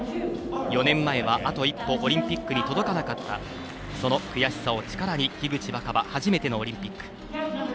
４年前はあと一歩オリンピックに届かなかったその悔しさを力に、樋口新葉初めてのオリンピック。